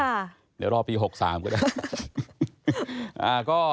เดี๋ยวรอปี๖๓ก็ได้